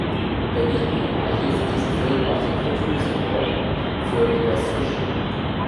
Benigni erhielt für diesen Film auch den Chlotrudis Award für die Beste Regie.